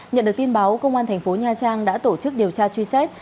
nhận được tin báo công an tp nha trang đã tổ chức điều tra truy xét